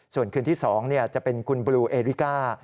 ส่วนคืนที่๒จะเป็นคุณบลูเอริกา